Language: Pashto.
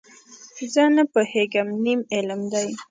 زه نه پوهېږم، نیم علم دی.